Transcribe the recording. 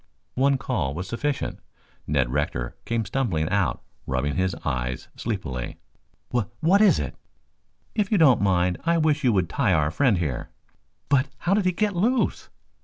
One call was sufficient. Ned Rector came stumbling out, rubbing his eyes sleepily. "Wha what is it?" "If you don't mind, I wish you would tie our friend here " "But, how did he get loose?"